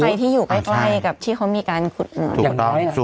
ใครที่อยู่ก็ให้กับที่เค้ามีการขุดดมืออย่างน้อย